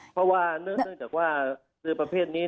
เพราะว่าเนื่องจากว่าเรือประเภทนี้